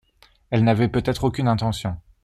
Elle n’avait peut-être aucune intention.